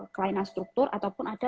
kelainan struktur ataupun ada